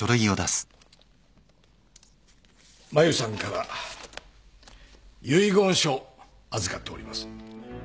マユさんから遺言書預かっております。